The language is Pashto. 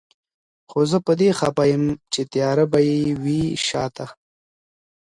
خو زه په دې خفه يم چي تياره به يې وي شاته